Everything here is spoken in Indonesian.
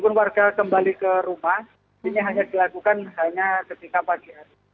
jadi warga kembali ke rumah ini hanya dilakukan misalnya ketika pagi hari